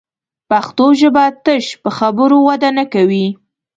پښتو ژبه تش په خبرو وده نه کوي